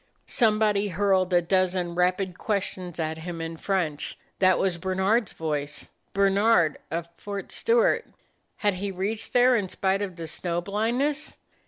Somebody hurled a dozen rapid questions at him in French. That was Bernard's voice; Bernard, of Fort Stewart. Had he reached there, in spite of the snow blindness?